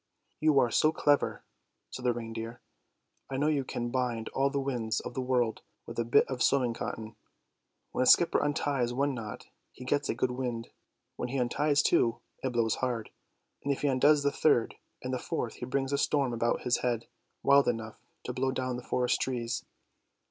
' You are so clever," said the reindeer, " I know you can bind all the winds of the world with a bit of sewing cotton. When a skipper unties one knot he gets a good wind, when he unties two it blows hard, and if he undoes the third and the fourth he brings a storm about his head wild enough to blow down the forest trees.